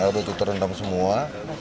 lima rt itu terendam semua